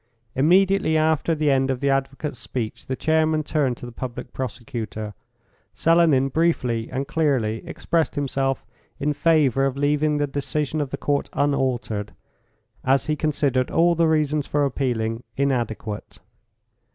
Immediately after the end of the advocate's speech the chairman turned to the Public Prosecutor. Selenin briefly and clearly expressed himself in favour of leaving the decision of the Court unaltered, as he considered all the reasons for appealing inadequate.